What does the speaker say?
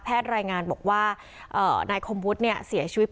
รายงานบอกว่านายคมวุฒิเนี่ยเสียชีวิต